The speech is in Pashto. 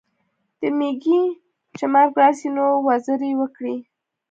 د میږي چي مرګ راسي نو، وزري وکړي.